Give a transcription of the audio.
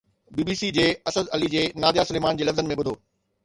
بي B C جي اسد علي جي ناديه سليمان جي لفظن ۾ ٻڌو